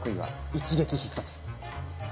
一撃必殺？